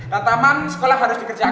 dan semangat sekolah harus dikerjakan